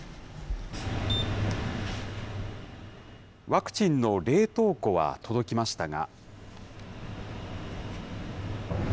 ワクチンの冷凍庫は届きましたが。